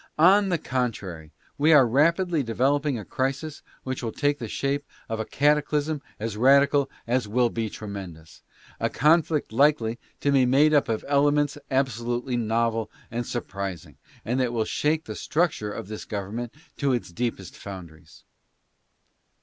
On the contrary, we are rapidly developing a crisis which will take the shape of a cataclysm as radical as it will be tremendous ; a con flict likely to be made up of elements absolutely novel and sur prising, and that will shake the structure of this government to its deepest foundations.